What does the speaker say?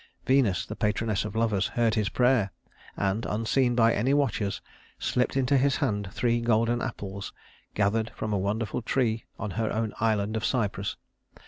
Venus, the patroness of lovers, heard his prayer, and, unseen by any watchers, slipped into his hand three golden apples gathered from a wonderful tree on her own island of Cyprus.